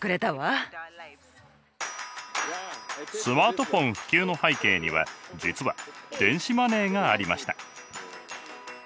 スマートフォン普及の背景には実は電子マネーがありました。